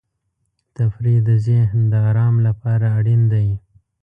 تفریح د ذهن د آرام لپاره اړین دی.